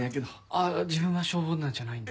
あっ自分は消防団じゃないんで。